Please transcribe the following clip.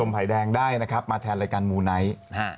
ภัยแดงได้นะครับมาแทนรายการมูไนท์